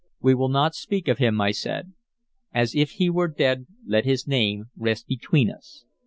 "We will not speak of him," I said. "As if he were dead let his name rest between us.